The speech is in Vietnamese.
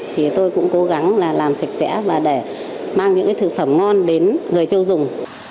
thì tôi cũng cố gắng làm sạch sẽ và để mang những thực phẩm ngon đến người tiêu dùng